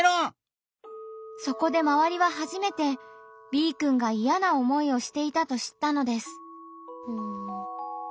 そこで周りは初めてＢくんがいやな思いをしていたと知ったのです。